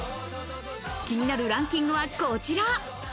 気になるランキングはこちら。